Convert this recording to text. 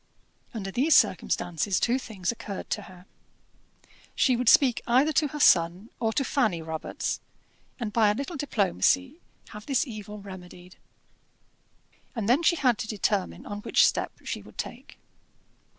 Under these circumstances two things occurred to her. She would speak either to her son or to Fanny Robarts, and by a little diplomacy have this evil remedied. And then she had to determine on which step she would take.